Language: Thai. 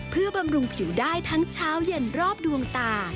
เพื่อบำรุงผิวได้ทั้งเช้าเย็นรอบดวงตา